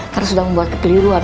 karena sudah membuat kekeliruan